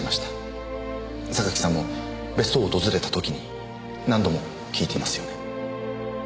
榊さんも別荘を訪れたときに何度も聞いていますよね？